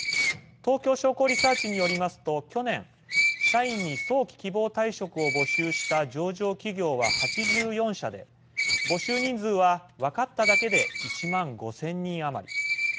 東京商工リサーチによりますと去年、社員に早期・希望退職を募集した上場企業は８４社で募集人数は分かっただけで１万５０００人余り。